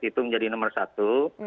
itu menjadi nomor satu